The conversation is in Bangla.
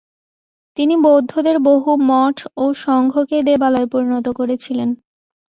তিনি বৌদ্ধদের বহু মঠ ও সংঘকে দেবালয়ে পরিণত করেছিলেন।